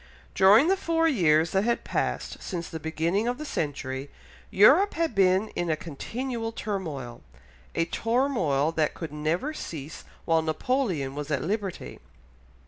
During the four years that had passed since the beginning of the century, Europe had been in a continual turmoil, a turmoil that could never cease while Napoleon was at liberty.